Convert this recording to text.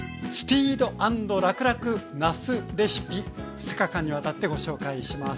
２日間にわたってご紹介します。